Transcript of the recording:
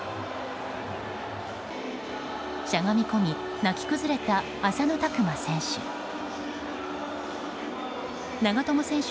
しゃがみ込み泣き崩れた浅野拓磨選手。